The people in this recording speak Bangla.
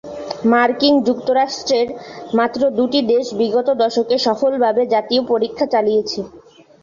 মার্কিন যুক্তরাষ্ট্রে মাত্র দুটি দেশ বিগত দশকে সফলভাবে এ জাতীয় পরীক্ষা চালিয়েছে।